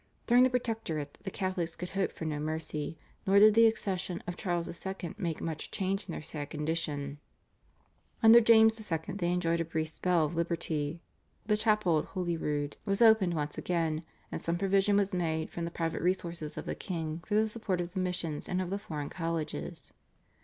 During the Protectorate the Catholics could hope for no mercy, nor did the accession of Charles II. make much change in their sad condition. Under James II. they enjoyed a brief spell of liberty. The chapel at Holyrood was opened once again, and some provision was made from the private resources of the king for the support of the missions, and of the foreign colleges.